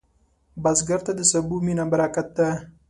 بزګر ته د سبو مینه برکت ده